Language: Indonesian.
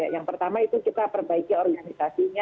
yang pertama itu kita perbaiki organisasinya